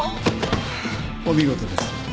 お見事です。